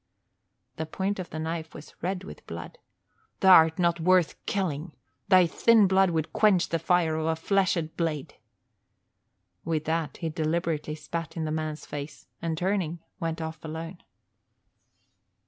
The point of the knife was red with blood. "Th'art not worth killing. Thy thin blood would quench the fire of a fleshed blade." With that, he deliberately spat in the man's face, and turning, went off alone.